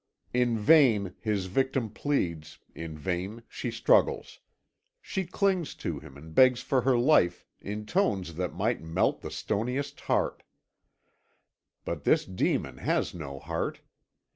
"In vain his victim pleads, in vain she struggles; she clings to him and begs for her life in tones that might melt the stoniest heart; but this demon has no heart.